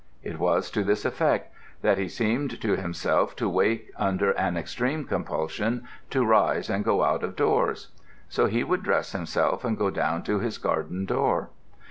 It was to this effect, that he seemed to himself to wake under an extreme compulsion to rise and go out of doors. So he would dress himself and go down to his garden door.